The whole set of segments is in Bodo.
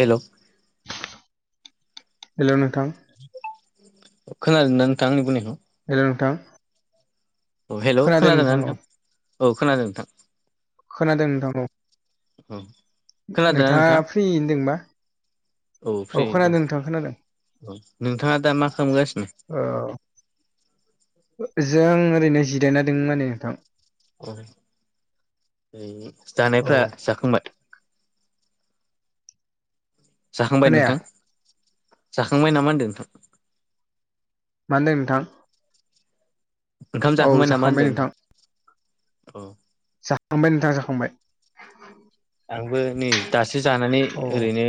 हेल' हेल' नोंथां खोनादों ना नोथां आंनि बुंनायखौ हेल' नोथां औ हेल' खोनादोंना नोंथां औ खोनादों नोंथां खोनादों नोंथां औ औ नोंथाङा फ्रियै दोंबा औ फ्रियैनो दं खोनादों नोंथां खोनादों औ नोंथाङा दा मा खामगासिनो औ ओ जों ओरैनो जिरायना दों मोने नोंथां जानायफ्रा औ जाखांबाय जाखांबाय खोनाया नोंथां जाखांबाय नामा होनदों नोंथां मा होनदों नोंथां ओंखाम औ जाखांबाय नामा होनदों नोंथां नोंथां औ जाखांबाय ओनथां जाखांबाय आंबो नै दासो जानानै औ ओरैनो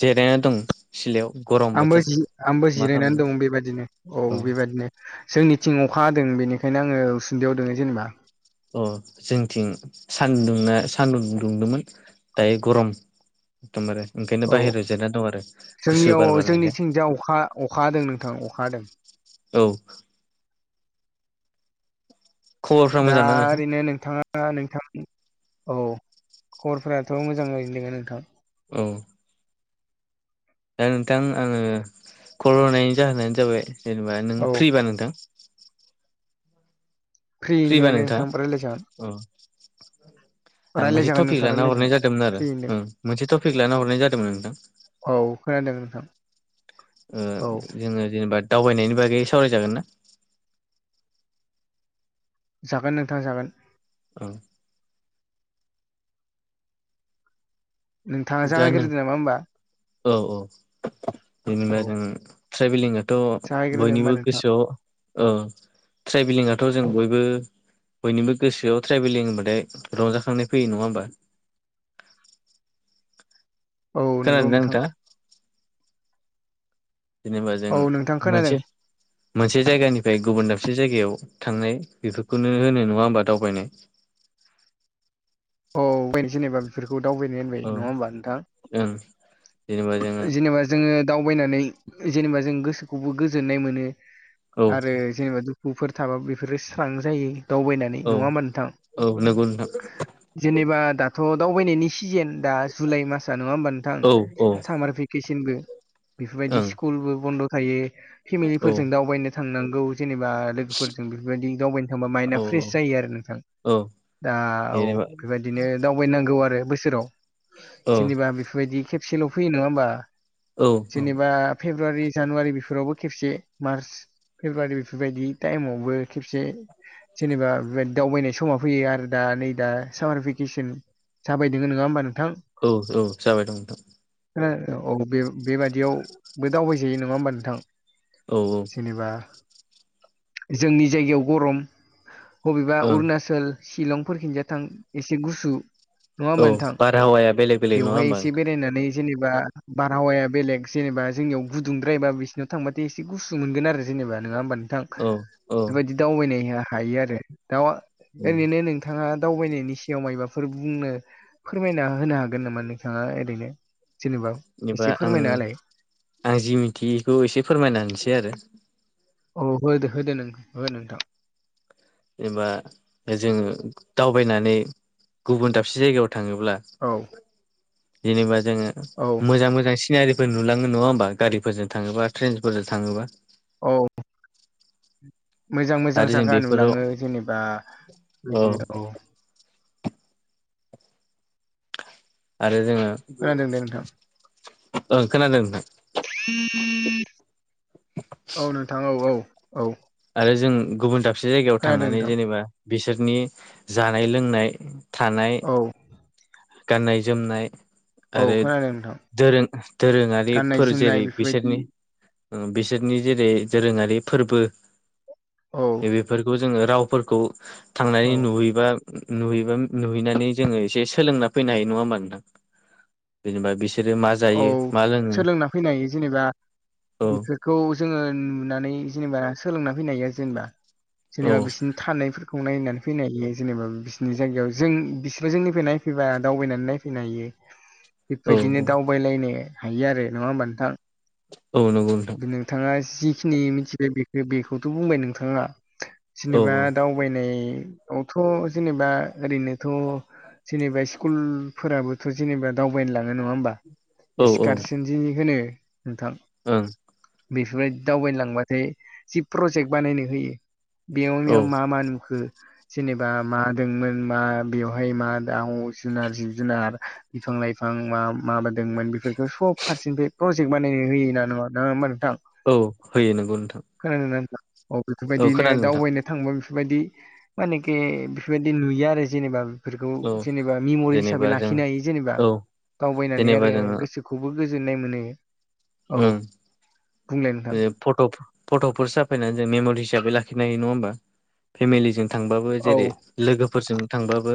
जेरायना दं सिलायाव गरम आंबो बोथोर जि आंबो मा जिरायनानै खालामनो दं बेबादिनो औ बेबादिनो जोंनिथिं अखा हादों बेनिखायनो आङो उसुन्दैयाव दोङो जेनबा अ जोंथिं सानदुङा सानदुं दुंदोंमोन दायो गरम एखदमबारे ओंखायनो बाहेरायाव जिरायना दं आरो गुसु बार बारनाय जोंनिथिंजा अखा अखा हादों नोंथां अखा हादों। औ खबरफ्रा दा मोजां ना नोंथां ओरैनो नोंथाङा दा नोंथां औ खबरफोराथ' मोजाङैनो दोङो नोंथां। औ। दा नोंथां आङो कल हरनायनि जाहोनानो जाबाय जेनेबा नों औ फ्रिबा नोंथां। फ्रियैनो फ्रिबा दोङो दे नोंथां रायलाय जागोन नोंथांऔ आं रायलाय मोनसे जागोन टपिक नोंथां लाना रायलाय हरनाय जागोन जादोंमोन आरो फ्रियैनो दों उम मोनसे टपिक लाना हरनाय जादोंमोन नोंथां औ खोनादों नोंथां औ उम जोङो जेनेबा दावबायनायनि बागै सावरायजागोन ना? जागोन नोंथां जागोन। औ नोंथांआ दा नों जागाइग्रोदो नामा होनबा। औ औ औ जेनेबा जों ट्रेभेलिंआथ' जागायग्रोदो होमबा बयनिबो नोंथां गोसोआव औ ट्रेभेलिंआथ' जों बयबो। बयनिबो गोसोआव ट्रेभेलिं होनबथाय रंजाखांनाय फैयो नङा होमबा? औ नोंगौ खोनादोंना नोंथां। नोंथाङा जेनेबा जों औ नोंथां खोनादों मोनसे मोनसे जायगानिफ्राय गुबुन दाबसे जायगायाव थांनाय बेफोरखौनो होनो नङा होमबा दावबायनाय। औ बेनो जेनेबा बेफोरखौ दावबायनाय। औ नङा होनबा नों थां। ओं जेनेबा जोङो जेनेबा जोङो दावबायनानै जेनेबा जों गोसोखौबो गोजोननाय मोनो औ आरो जेनेबा दुखु फोर थाबाबो बेफोरो स्रां जायो दावबायनानै औ नङा होनबा नोंथां? औ नंगौ‌ नोंथां। जेनेबा दाथ' दावबायनायनि सिजेन दा जुलाइ मासआ नङा होमबा नोंथां? औ औ सामार फे भेकेसनबो बेफोरबायदि ओं स्कुलबो बन्द' थायो। औ फेमिलिफोरजों दावबायनो थांनांगौ जेनेबा लोगोफोरजों बेफोरबायदि दावबायनो थांबा माइन्दडआ औ फ्रेसो जायो आरो नोंथां औ दा औ। जेनेबा बेबायदिनो दावबायनांगौ आरो बोसोराव औ जेनेबा बेफोरबायदि केब सेल' फैयो नङा होमबा औ औ जेनेबा फेब्रुवारि, जानुवारि बेफोरावबो खेबसे मार्च फेब्रुवारि बेफोरबायदि टाइमावबो खेबसे जेनेबा बे दावबायनाय समाव फैयो आरो दा नै दा। सामार भेकेसन जाबाय दङ नङा होमबा नोंथां? औ औ जाबाय दं नोंथां। औ बे बेबादियावबो दावबायजायो नङा होमबा नोंथां? औ औ। जेनेबा जोंनि जायगायाव गरम बबेबा ओं अरुनााचल सिशिलंफोरखिनजों थां एसे गुसु नङा औ होमबा नोंथां बारहावाया बेलेग बेलेग नङा बेवहाय होमबा एसे बेरायनानै जेनेबा बारहावाया बेलेग जेनेबा जोंनियाव गुदुंद्रायबा बिसिनाव थांबाथाय एसे गुसु मोनगोन जेनेबा नङा होनबा‌ नों थां नोंथां औ बेबायदि दावबायनाय हायो आरो दाउ ओरैनो नों नोंथाङा दावबायनायनि सायाव मायबाफोर बुंनो फोरमायना होनो हागोन नामा नोंथाङा ओरैनो? जेनेबा एसे फोरमायना होलाय आं जि मिथियिखौ एसे फोरमायना होनोसै आरो। अ होदो होदो नों हो नोंथां जेनबा जोङो दावबायनानै गुबुन दाबसे जायगायाव थाङोब्ला औ जेनेबा जोङो औ मोजां मोजां सिनारि नुलाङो नङा होमबा गारिफोरजों थाङोबा ट्रेनफोरजों थाङोबा। औ मोजां मोजां आरो जों जागा बेफोराव नुलाङो जेनेबा बिदिनो औ आरो जोंङो खोनादों दे नोंथां ओ खोनादों नोंथां औ नोंथां औ औ औ आरो जों गुबुन दाबसे जायगायाव खोनादों थांनानै नोंथां जेनेबा बिसोरनि जानाय लोंनाय थानाय औ गाननाय जोमनाय। औ आरो खोनादों नोंथां दोरों गाननाय दोरोङारिफोर जोमनाय जेरै बेफोरबायदि बिसोरनि बिसोरनि जेरै दोरोङारि फोरबो। औ। बेफोरखौ जोङो रावफोरखौ थांनानै औ नुहैबा नुहैबा नुहैनानै जोंङो एसे सोलोंना फैनो हायो नङा होमबा नोंथां जेनेबा बि औ सोलोंना फैनो हायो जेनेबा औ बेखो खौ जोंङो नुनानै जेनेबा सोलोंना फैनो हायो जेनेबा औ जेनेबा बिसोरनि थानाय खौ नायनानै फैनो हायो जेनेबा बिसोरनि जायगायाव जों बिसोरो जोंनिफ्राय नायफैबा दावबायनानै नायफैनो हायो। [inaudible] बेबायदिनो औ दावबायलायनो हायो आरो नङा होमबा नोंथां। औ नंगौ नोंथां नोंथाङा जिखिनि मिथिबाय बे-बेखौथ' बुंबाय नोंथाङा औ जेनेबा दाउ थगायनायावथ' जेनेबा ओरैनोथ' जेनेबा स्कुलफोराबोथ' जेनेबा दावबायनो लाङो नङा होमबा औ औ इसकारसनजि होनो नोंथां ओं बेफोरबायदि दावबायनो लांबाथाय जि प्रजेक्ट बानायनो होयो। बेयाव औ बेयाव मा मा नुखो जेनेबा मा दोंमोन मा बेवहाय मा दाउ जुनार जिब जुनार बिफां लाइफां मा माबोदोंमोन बेफोरखौ सब फारसेनिफ्राय प्रजेक्ट बानायनो होयोना नङा होमबा नोंथां औ होयो नंगौ नोंथां खोनादों ना नोंथां औ बेफोरबायदिनो खोनादों नोंथां दावबायनो थांबा बिफोरबायदि मानेके बिफोरबायदि नुयो आरो जेनेबा फोरखौ औ जेनेबा मेम'रि जेनेबा हिसाबै जों लाखिनो हायो जेनेबा औ दावबायनानै जेनेबा आरो जोङो गोसोखौबो गोजोननाय मोनो। औ ओम बुंलाय नोंथां फट'-फट'फोर साफायनानै जों मेम'रि हिसाबै लाखिनो हायो नङा होमबा फेमिलिजों थांबाबो औ जेरै लोगोफोरजों थांबाबो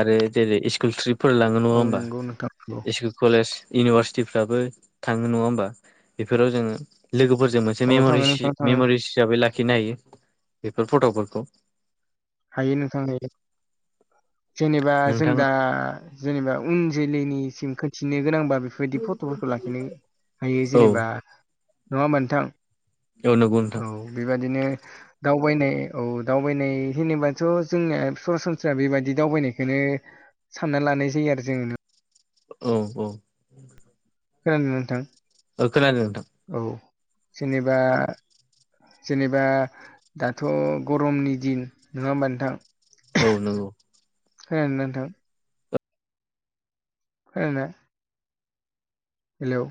आरो जेरै स्कुल ट्रिप फोरलाङो नङा औ होमबा नंगौ नोंथां नंगौ इस कलेज इउनिभारसिटिफ्राबो थाङो नङा होमबा बेफोराव जोंङो लोगोफोरजों मोनसे औ मेमरि थाङो नोंथां थाङो मेमरिस हिसाबै लाखिनो हायो बेफोर फट'फोरखौ हायो नोंथां हायो जेनेबा जों नोंथां दा जेनेबा उन जोलैनिसिम खोनथिनो गोनांबा बेफोर बायदि फट'फोरखौ लाखिनो हायो औ जेनेबा नङा होमबा नोंथां औ नंगौ नोंथां औ बेबादिनो दावबायनाय औ दावबायनाय जेनेबाथ' जोंनिया सरासनस्रा बेबायदि दावबायनायखौनो सानना लानाय जायो आरो जों औ औ ओं नोंथां ओ खोनादों नोंथां औ जेनेबा जेनेबा दाथ' गरमनि दिन नङा होमबा नोंथां औ नंगौ ओं नोंथां [unintelligible] हेलौ